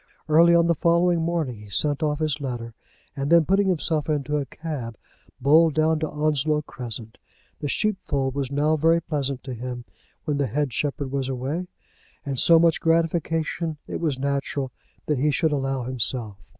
Early on the following morning he sent off his letter, and then, putting himself into a cab, bowled down to Onslow Crescent. The sheepfold now was very pleasant to him when the head shepherd was away, and so much gratification it was natural that he should allow himself.